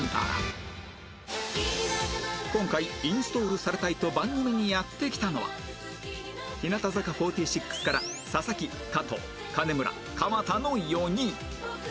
今回インストールされたいと番組にやって来たのは日向坂４６から佐々木加藤金村河田の４人